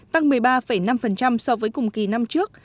tăng một mươi ba năm so với cùng kỳ năm trước